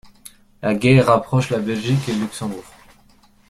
La guerre rapproche la Belgique et le Luxembourg.